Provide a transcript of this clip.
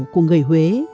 của người huế